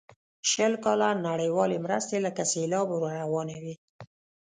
شل کاله نړیوالې مرستې لکه سیلاب ور روانې وې.